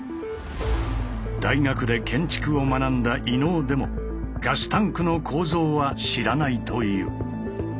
大学で建築を学んだ伊野尾でもガスタンクの構造は知らないという。